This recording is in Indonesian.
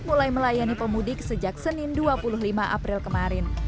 mulai melayani pemudik sejak senin dua puluh lima april kemarin